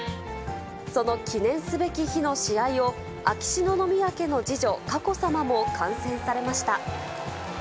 その記念すべき日の試合を、秋篠宮家の次女、佳子さまも観戦されました。